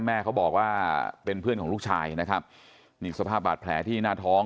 แม่เขาบอกว่าเป็นเพื่อนของลูกชายนะครับนี่สภาพบาดแผลที่หน้าท้อง